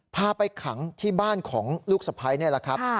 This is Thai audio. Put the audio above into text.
พาไปขังที่บ้านของลูกสะพ้ายนี่แหละครับ